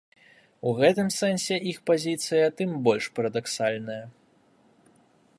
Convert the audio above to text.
У гэтым сэнсе іх пазіцыя тым больш парадаксальная.